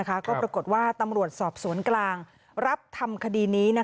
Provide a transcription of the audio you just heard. ก็ปรากฏว่าตำรวจสอบสวนกลางรับทำคดีนี้